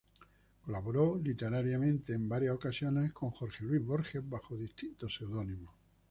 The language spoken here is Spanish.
Colaboró literariamente en varias ocasiones con Jorge Luis Borges bajo distintos pseudónimos.